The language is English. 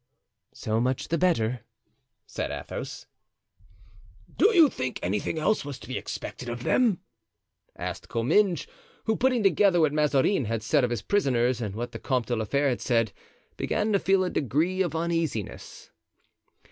"So much the better," said Athos. "Do you think anything else was to be expected of them?" asked Comminges, who, putting together what Mazarin had said of his prisoners and what the Comte de la Fere had said, began to feel a degree of uneasiness.